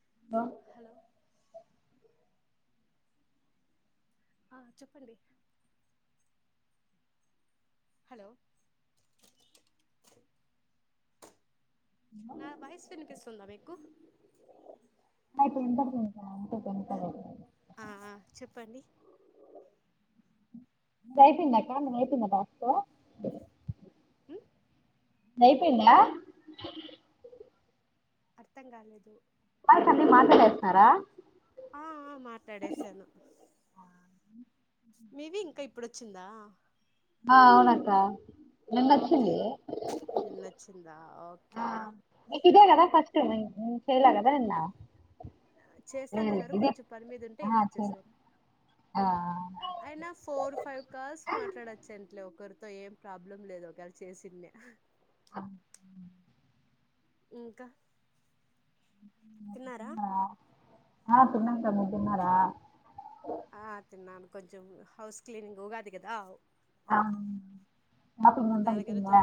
[unintelligible] Hello ఆ చెప్పండి hello నా వయస్ వినిపిస్తుందా మీకు ఆ ఇప్పుడు వినపడుతుంది బానే ఆ చెప్పండి నీద్ అయిపోయిందా అక్క [unintelligible] అయిపోయిదా టాస్కు ఉమ్ అయిపోయిందా అర్థం కాలేదు కాల్స్ అన్ని మాట్లాడేస్తున్నారా ఆ ఆ మాట్లాడేసాను మీవి ఇంకా ఇప్పుడోచ్చిందా ఆ అవునాక్క ఆ ఓకేలే నిన్నోచ్చింది ఆ మీక్ ఇదే కదా ఫస్ట్ మ్ చేయాలా కదా నిన్నా చేస్తానన్నారు కొంచెం పనీమిద ఉంటే ఆ ఈరోజ్ చేయలే చేసారు ఆ అయినా ఫోర్ ఫైవ్ కాల్స్ మాట్లాడొచోంట్లే ఒకరితో ఏం ప్రాబ్లం లేదు ఒకవెల్ చేసున్న అం ఇంకా నువ్వు తిన్నారా తిన్నావా ఆ తిన్నాం క మీరూ తిన్నారా ఆ తిన్నాను కొంచెం హౌస్ క్లీనింగ్ ఉగాది కదా ఆ మాపింగ్ అంత అయిపోయిందా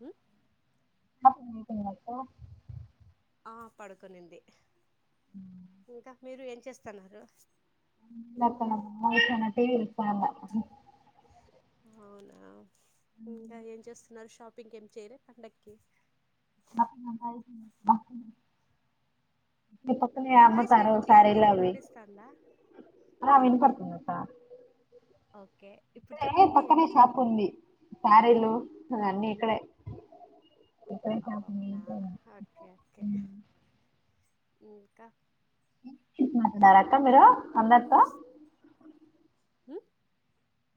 హ్మ్ షాపింగ్ అయిపోయిందా అక్క ఆ పడుకునింది ఇంకా మీరు ఎమ్ చేస్తున్నారు [unintelligible] అవునా ఇకా ఏం చేస్తున్నారు షాప్ పికెం చేేయిలా పండకి మాపింగ్ అంత అయిపోయిందా మాపింగ్ మీ పక్కనే నా వాయిస్ అమ్మతారు మీకు శారీలో క్లారిటీగా అవి వినిపిస్తుందా అలా ఏంటి వినపడుతుందకా ఓకే ఇప్పుడు ఇక్కడ చెప్పండి పక్కనే ఏంటి షాప్ ఉంది శారీలు అ అవు అన్ని ఇక్కడే ఇక్కడేం షాపింగ్ అవునా ఇంతే హ్మ్ హ్మ్ ఇంకా ఇటె మాట్డార అక్క మీరు అందర్తొ హ్మ్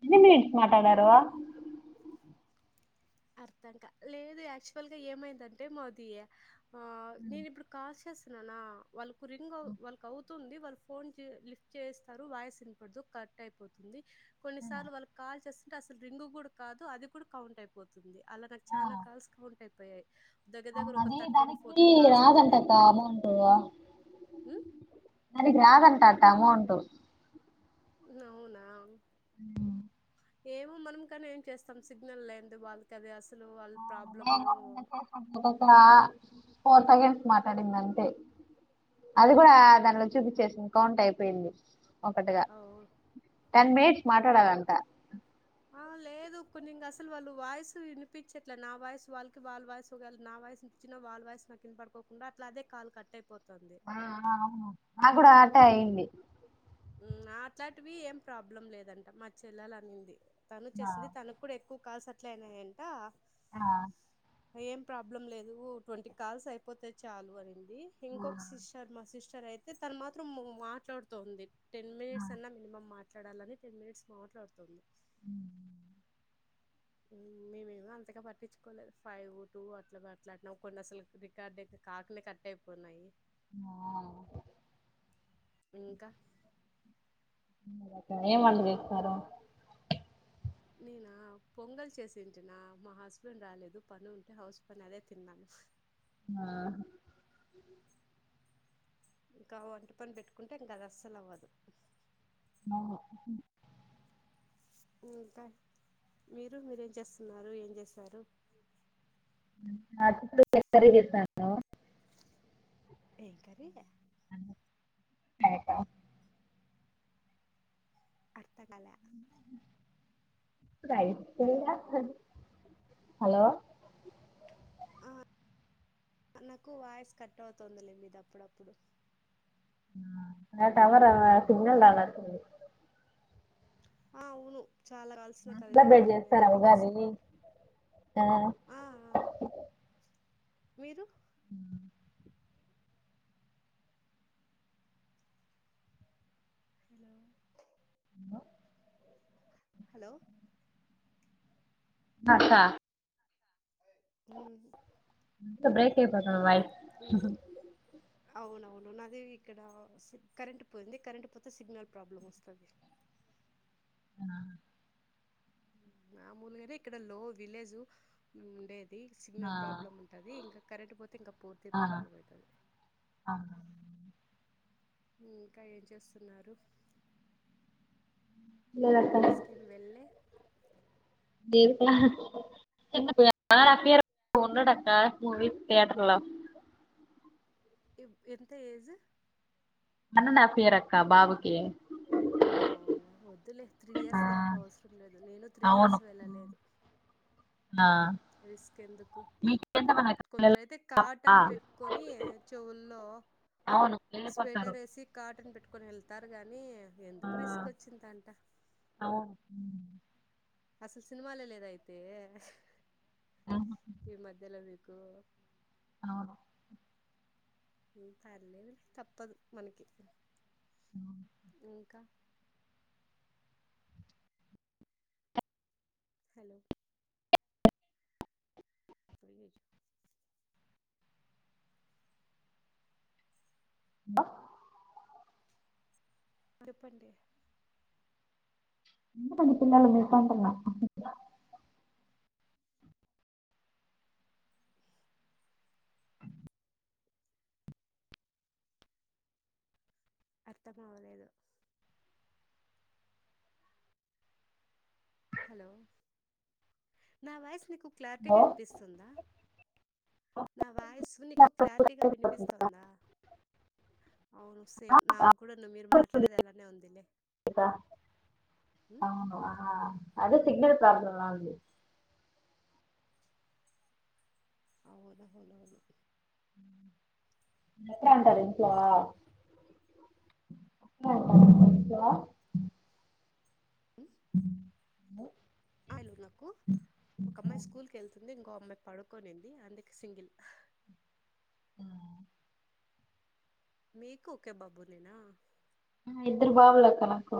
నిన్ననే మాటడారు అర్థంకాలేదు యాక్చువల్ గా ఏమైందంటే మా అది ఆ నేను ఇప్పుడు కాల్ చేసి నన వాళ్ళకు రింగ్ వాళ్ళకి అవుతుంది వాళ్ళు ఫోన్ లిఫ్ట్ చేస్తారు వాయిస్ వినపడదు కట్ అయిపోతుంది. కొన్నిసార్లు వాళ్లకి కాల్ చేస్ అంటె అసలు రింగు కూడ కాదు అది కూడా కౌంట్ అయిపో పోతుంది అలా నాకు చాల కాల్స్ కౌంట్ అయిపోయాయి. దగ్గర దగ్గర ఒక అవునది థర్టీన్ దానికి ఫోర్టీన్ కాల్స్ రాదంటకా అమౌంటు ఉ దానికి రాదంటక్క అమౌంట్ అవునా ఆ ఏమో మనం కానీ ఏం చేస్తాం సిగ్నల్ లేనిది వాళ్ళకి అది ఆస్ అవునా నేనుగాని నిన్న చేసిన [unintelligible] ఫోర్ థౌగండ్స్ మాట్లాడింది అంతె అది కూడ దానిలో చూపించేసింది కౌంట్ అయిపోయింది. ఒకటిగా ఓ టెన్ మినిట్స్ ఓ మాట్లాడలంట ఆ లేదు కొన్ని ఇంగ అసలు వాళ్ళు వాయిస్సు వినిపించేట్ల నా వాయిసు వాళ్ళకి వాళ్ళ వాయిస్ నా వాయిస్ వినిపించినా, వాళ్ళ వాయిస్ నాకు వినపడుకోకుండా అట్లా అదే కాల్ కట్ అయిపోతు ఆ అవును నా కూడ అట్టె అయ్యింది హు అట్లాటివి ఏం ప్రాబ్లం లేదంట మా చెల్లెలు అనింది తను ఆ చేసింది తను కూడ ఎక్కు కాల్స్ అట్లే అయినాయంట ఆ ఏం ప్రాబ్లం లేదు ట్వంటీ కాల్స్ అయిపోతె చాలు అనింది ఇంకొక సిస్టర్ మా సిస్టర్ టర్ అయితే తను మాత్రం మాట్లాడుతొంది టెన్ ఆ మినిట్స్ అన్నా మినిమమ్ మాట్ మాట్లాడలని టెన్ మినిట్స్ మాట్లాడుతుంది మ్మ్ హు మ్మ్ మేమేమో అంతగా పట్టించుకోలేదు ఫైవ్ టూ అట్లా మాట్లాడినాం కొన్ని అసలకి రికార్డ్ కాకనె కట్ అయిపోనాయి. అవునా ఇంకా ఏం వంట చేసినారు నేనా పొంగల్ చేసింటినా మా హస్బెండ్ రాలేదు పని ఉంటె హౌస్ పని అదె తిన్నాను. ఆ ఇంక వంట పని పెట్టుకుంటె ఇంక అదస్సలు అవ్వదు అవును ఇంకా మీరు మీరేం చేస్తున్నారు ఏం చేసారు మ్మ్ అట్టుకుల కర్రీ చేస్తాను ఏం కర్రీ అను పేక అర్థంకాల [inaudible] రైస్ హలో కూడా హాలో ఆ నాకు వాయిస్ కట్ అవుతుంది లేండి మీది అప్పుడప్పుడు ఆ టవరు సిగ్నల్ రాలేకుంది ఆ అవును చాలా కావాల్సిన కరె సెలబ్రేట్ ఇబ్బంది అయింది చేస్తారా కొద్దిగా ఉగాది సిగ్నల్ ఆ ఆ ఆఆ మీరు ఉమ్ హలో హాలో నక్క హ్మ్ ఫి బ్రైట్ పేపోతన వై అవునవును నాది ఇక్కడ సిగ్జ్ కరెంటు పోయింది కరెంటు పోతే సిగ్నల్ ప్రాబ్లం వస్తది. ఆ మామూలుగానే ఇక్కడ లో విలేజ్ ఉండేద్ ది ఆ సిగ్నల్ ప్రాబ్లం ఉంటది ఇంకా కరెంటు పోతే ఇంకా ఫోన్ కి ఆ ప్రాబ్లం అయితది ఆ ఇంకా ఏం చేస్తున్నారు లేదక్క మూవీస్ కి ఏం వెల్లే లేదుగా వాడు ఎక్కడ ఉండడక్క మూవీ థియేటర్లో ఇప్ ఎంత age one and half year అక్క బాబుకి అవునా వద్దులే త్రీ ఆ ఇయర్స్ దాకా అవసరం లేదు నేను త్రి అవును ఇయర్స్ వెళ్ళలేదు ఆ రిస్క్ ఎందుకు మీకు ఎంత మంది అక్క పిల్లలు కొందరైతే ఆ, కాటన్ పెట్టుకొని చెవుల్లో లో అవును వెళ్ళిపోతారు కొన్ని వెళ్తారు గాని ఆ ఎందుకు రిస్క్ వచ్చిందంట అవును అసలు సినిమాలో లేదా అయితే ఉహు ఈ మధ్యలో మీ గు అవును మ్ పర్లేదు లే తపప్పదు మనకి ఇంకా హాలో డ్రైనేజ [inaudible] అరెఫండి [unintelligible] అర్థమవలేదు హలో నా వాయిస్ నీకు క్లారిటీగా హలో వినిపిస్తుందా నా వాయిస్ నీకు నికు క్లారిటీగా వినిపిస్తుందా నా వాయిస్ నికు క్లారిటీగా వినిపిస్తుందా అవును సేమ్ నాకు కూడా ను్వు మీరు మాట్లాడేది ఎలానే ఉందిలే ఉ అవును ఆ అదే సిగ్నల్ ప్రాబ్లంలా ఉంది అవును [unintelligible] ఎట్టల ఉంటారు ఇంటిలో ఇంకా [inaudible] [inaudible] హైలురులకు ఒక అమ్మాయి స్కూల్ కి వెళ్తుంది ఇంకో అభ ఆమె పడుకోనుంది అందుకే సింగిల్ మీకు ఒక బాబునేనా ఉ ఇద్దరు బావలక్క నాకు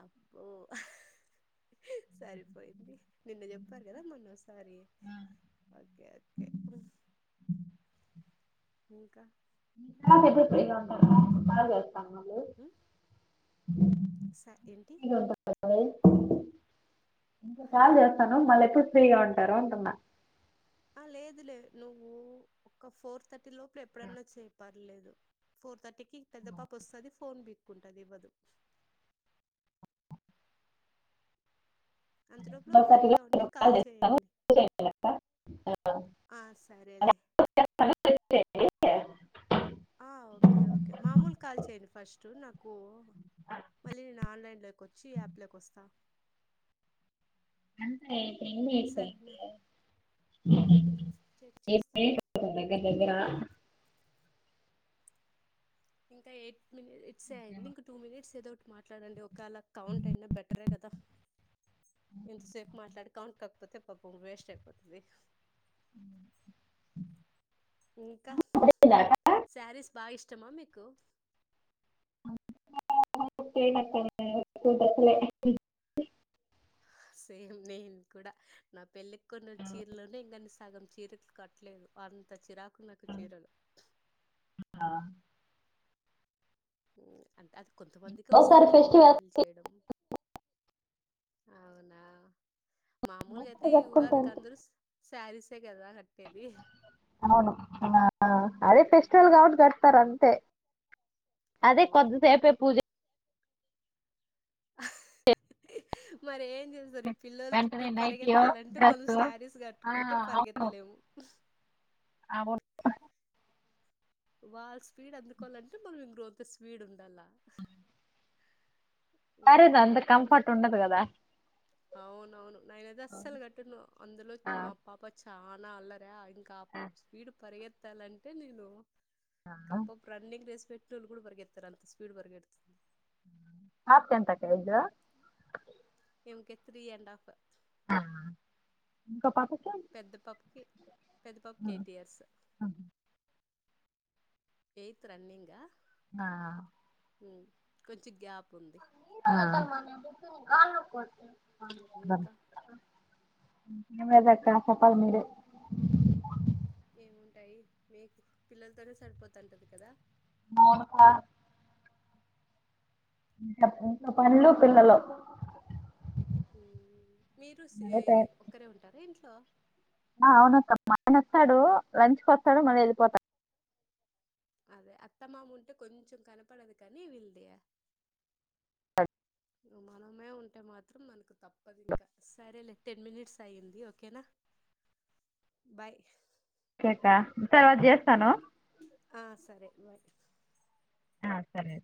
అబ్బో [unintelligible] సరిపోయింది నిన్న చెప్పారు కదా మొన్న వస్త స్వారీ ఒక్ ఒక్ ఇంకా ఇంక [unintelligible] కాల్ చేస్తున్నాం ఉ స ఏంటి ఇంకో కాలు హలో చేస్తాను మళ్ళీ ఎప్పుడు ఫ్రీగా ఉంటార అంటున్నా ఆ లేదు లే నువ్వు ఒక ఫోర్ థర్టీ లోపు ఇప్పుడు ఎప్పుడన్నా చేయు పర్లేదు ఫోర్ థర్టీకి కి పెద్ద పాప వస్తాది ఫోన్ బికుంటది ఇవ్వదు అంత లోపల ఫ్రీగా ఉంటే కాల్ చేయండి ఆ సరేలే ఏంది ఆ ఓకే ఓకే మామూలు కాల్ చేయండి ఫస్ట్ నాకు మళ్ళీ నేను ఆన్లైన్ లోకి వచ్చి యాప్ లోకి వస్తా అంతే ఏం లేక పాయ్ సరేనా చెక్ మీరు చేస్తా మేలు కదా దెగ్గర దెగ్గర ఇంకా ఎయిట్ ఇన్ని మినిట్స్ అయింది ఇంక టూ మినిట్స్ ఏదో ఒ మాట్లాడండి ఓ ఒకలా కౌంట్ అయినా బెటరే కదా ఇంత సేపు మాట్లాడు కౌంట్ కాకపోతే వేస్ట్ అయిపోతది అ ఇంకా సారీస్ బాగా ఇష్ ఇష్టమా మీకు [unintelligible] చేయను అక్క నేను ఎవరికీ తక్కువే సేమ్ నేను కూడా నా పెళ్ళికి కొన్న చీరలోనే ఇంగా సగం చీరకులు కట్టలేదు అంత చిరాకు నాకు చిరలు హ్మ్ అంత అ కొంతమందికి ఒకసారి వస్తుదులే ఫెస్టివల్ హ్యాండిల్ చేయడం అవునా మామూలుగా అయితే ఈ ఉగాది జరుపుకుంటారు కి అందరు సారీసే కదా కట్టేది అవును అదే ఫెస్టివల్ కాదు గా తరంతే అదే కొద్దిసేపే అవునవును పూజ మరి ఏ ఏం చేస్తారు ఈ పిల్లల చుట్టూ వెంటనే నైటీయో పరిగెత్తాలంటే మనం డ్రెస్ సారీస్ కట్టుకుంటే పరిగెత్తలేము అవును వాల్స్ స్పీడ్ అందుకోవాలంటే మనం గ్రో స్పీడ్ ఉండల్లా సారీస్ అంత కంఫర్ట్ ఉండదు కదా అవునవును నిన్నైతే అస్సలు గట్టను అందులో ఆ, మా పాప చానా అల్లరి [unintelligible] స్పీడ్ పరిగేత్ పట్టాలంటే నేను ఆ. కప్పు రన్నింగ్ రేస్ పె ట్రోలు కూడా పరిగెతార్ ఆలూ స్పీడ్ పరిగెడ్ ఆప్తంటక ఇద్దర ఈమెకి త్రీ అండ్ హఫ్ ఆ ఇంకో పాపక్ పెద్ద పాప్కి పెద ఆ, పాప్కి ఎయిట్ ఇయర్స్ ఎయిత్ రన్నింగ్ ఆ ఆ హ్మ్ కొంచం గ్యాప్ వుంది. ఆ ఆ ఇంకా ఏంలేదాక్క చెప్పాలి మీరే. ఏముంటాయి మీకు పిల్లలతోనే సరిపోతుంటది కదా. అవునుకా. మ్మ్ చెప్పు. పన్లు పిల్లలు. మ్ మీరు స్ ఒక్కరే ఉంటారా ఇంట్లో. ట అవును అక్క మా ఆయన వస్తాడు లంచ్ కి వస్తాడు మళ్లీ వెళ్ళిపోతా అదే అత్తమామ ఉంటే కొంచెం కనపడదు కానీ వీళ్దే, మనమే ఉంటే మాత్రం మనకు తప్పదు ఇంకా సరేలే టెన్ మినిట్స్ అయ్యంది, ఓకేనా బాయ్. ఒకేక తర్వాత చేస్తాను హ సరే బాయ్ ఆ సరే